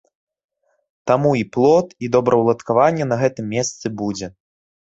Таму і плот, і добраўладкаванне на гэтым месцы будзе.